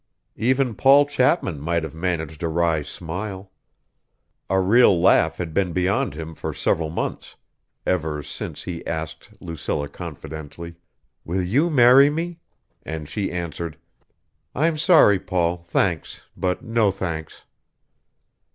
Even Paul Chapman might have managed a wry smile. A real laugh had been beyond him for several months ever since he asked Lucilla confidently, "Will you marry me?" and she answered, "I'm sorry, Paul thanks, but no thanks."